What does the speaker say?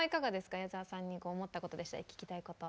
矢沢さんに思ったことでしたり聞きたいことありますか？